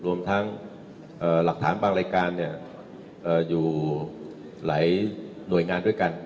รวมทั้งหลักฐานบางรายการอยู่หลายหน่วยงานด้วยกัน